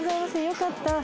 よかった。